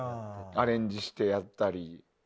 アレンジしてやったり。